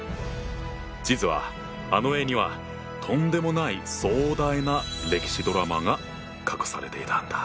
実はあの絵にはとんでもない壮大な歴史ドラマが隠されていたんだ。